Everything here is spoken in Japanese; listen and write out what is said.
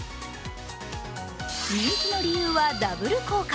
人気の理由はダブル効果。